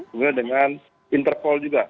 kemudian dengan interpol juga